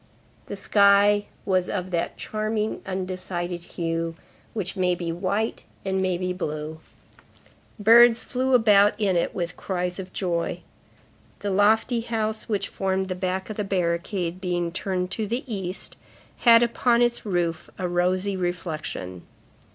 The sky was of that charming, undecided hue, which may be white and may be blue. Birds flew about in it with cries of joy. The lofty house which formed the back of the barricade, being turned to the East, had upon its roof a rosy reflection.